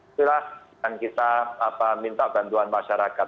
itulah yang kita minta bantuan masyarakat